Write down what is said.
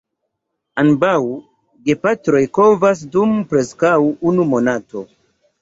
Ambaŭ gepatroj kovas dum preskaŭ unu monato.